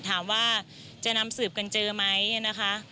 ถามว่าจะนำสืบกันเจอไหมนะคะ